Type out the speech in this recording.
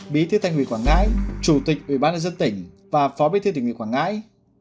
bí thiêu tù nghỉ quảng ngãi chủ tịch ủy ban dân tỉnh và phó bí thiêu tù nghỉ quảng ngãi